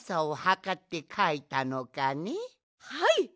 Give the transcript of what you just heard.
はい。